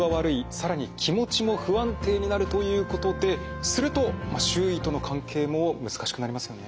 更に気持ちも不安定になるということですると周囲との関係も難しくなりますよね。